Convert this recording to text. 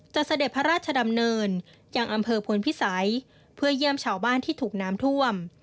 เสด็จพระราชดำเนินยังอำเภอพลพิสัยเพื่อเยี่ยมชาวบ้านที่ถูกน้ำท่วม